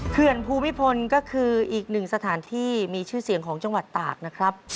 ภูมิพลก็คืออีกหนึ่งสถานที่มีชื่อเสียงของจังหวัดตากนะครับ